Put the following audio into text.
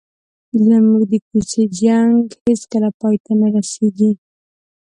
زموږ د کوڅې جنګ هېڅکله پای ته نه رسېږي.